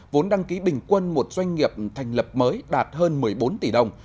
vốn đăng ký bình quân một doanh nghiệp thành lập mới đạt hơn một mươi bốn tỷ đồng